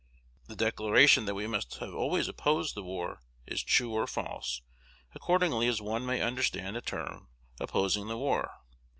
The declaration that we have always opposed the war is true or false accordingly as one may understand the term "opposing the war."